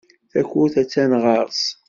Takurt attan ɣer-s.